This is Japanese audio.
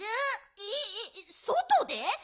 ええっそとで？